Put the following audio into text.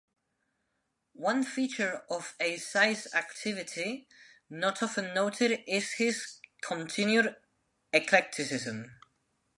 One feature of Eisai's activity not often noted is his continued eclecticism.